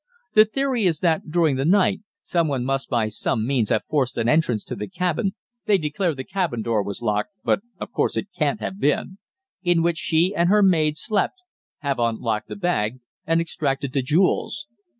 The theory is that during the night someone must by some means have forced an entrance to the cabin they declare the cabin door was locked, but of course it can't have been in which she and her maid slept, have unlocked the bag and extracted the jewels.